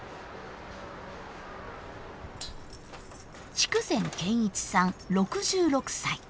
筑前賢一さん６６歳。